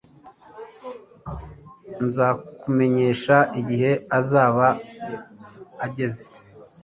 Nzakumenyesha igihe azaba ageze